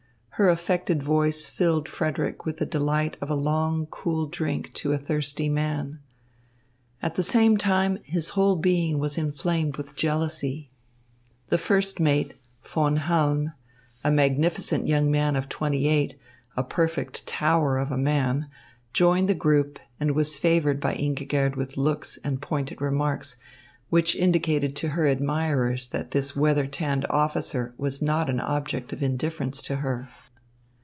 Her affected voice filled Frederick with the delight of a long, cool drink to a thirsty man. At the same time, his whole being was inflamed with jealousy. The first mate, Von Halm, a magnificent young man of twenty eight, a perfect tower of a man, joined the group and was favoured by Ingigerd with looks and pointed remarks, which indicated to her admirers that this weather tanned officer was not an object of indifference to her.